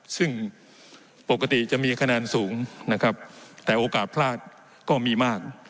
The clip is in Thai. ซึ่งปกติจะมีคะแนนสูงนะครับแต่โอกาสพลาดก็มีมาก